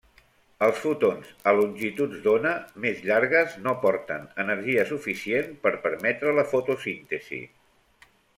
Els fotons a longituds d'ona més llargues no porten energia suficient per permetre la fotosíntesi.